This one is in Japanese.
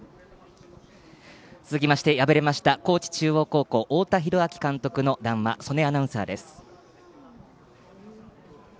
続きまして敗れました高知中央高校太田弘昭監督の談話曽根アナウンサーです。